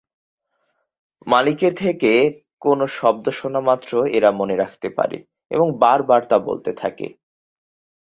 মালিকের থেকে কোন শব্দ শোনা মাত্র এরা মনে রাখতে পারে এবং বার বার তা বলতে থাকে।